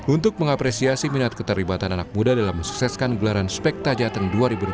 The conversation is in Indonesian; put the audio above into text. untuk mengapresiasi minat keterlibatan anak muda dalam mensukseskan gelaran spekta jateng dua ribu dua puluh